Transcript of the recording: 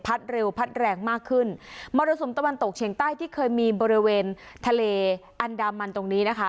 เร็วพัดแรงมากขึ้นมรสุมตะวันตกเฉียงใต้ที่เคยมีบริเวณทะเลอันดามันตรงนี้นะคะ